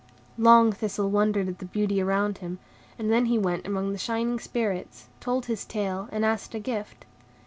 Long Thistle wondered at the beauty round him; and then he went among the shining Spirits, told his tale, and asked a gift.